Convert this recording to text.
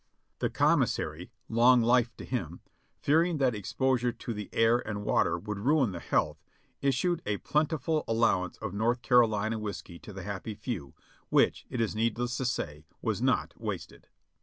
The Commis sary, long life to him, fearing that exposure to the air and water would ruin the health, issued a plentiful allowance of North Caro 524 JOHNNY REB AND BILI^Y YANK lina whiskey to the happy few, which, it is needless to say, was not wasted.